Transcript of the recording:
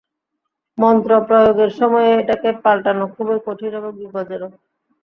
মন্ত্র প্রয়োগের সময়ে এটাকে পাল্টানো খুবই কঠিন এবং বিপজ্জনক।